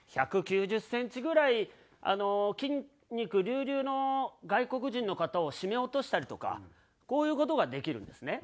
１９０センチぐらい筋肉隆々の外国人の方を絞め落としたりとかこういう事ができるんですね。